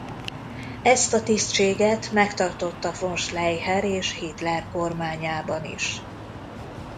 Ezt a tisztséget megtartotta von Schleicher és Hitler kormányában is.